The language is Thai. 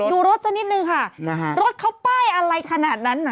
ดูรถดูรถนิดหนึ่งค่ะรถเขาป้ายอะไรขนาดนั้นน่ะ